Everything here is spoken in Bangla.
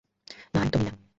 না, একদমই নয়!